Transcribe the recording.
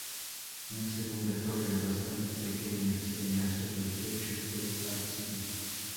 Una segunda torre, bastante pequeña, se halla sobre el techo del ábside.